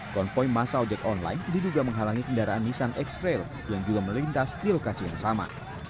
konvoy massa ojek online diduga menghalangi kendaraan nissan x rail yang juga melintas di lokasi yang sama